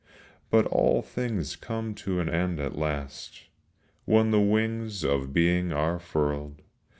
But all things come to an end at last When the wings of being are furled.